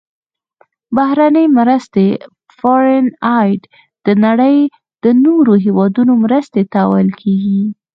بهرنۍ مرستې Foreign Aid د نړۍ د نورو هیوادونو مرستې ته ویل کیږي.